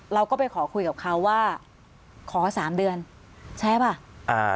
เราก็ไปขอคุยกับเขาว่าขอสามเดือนใช่ป่ะ